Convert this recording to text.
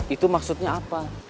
itu maksudnya apa